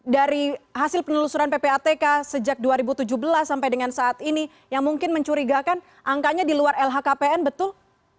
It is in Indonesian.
dari hasil penelusuran ppatk sejak dua ribu tujuh belas sampai dengan saat ini yang mungkin mencurigakan angkanya di luar lhkpn betul